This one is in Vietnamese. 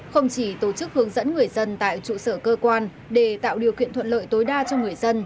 không chỉ tổ chức hướng dẫn người dân tại trụ sở cơ quan để tạo điều kiện thuận lợi tối đa cho người dân